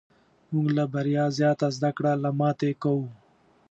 موږ له بریا زیاته زده کړه له ماتې کوو.